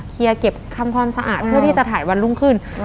เก็บทำความสะอาดเพื่อที่จะถ่ายวันรุ่งขึ้น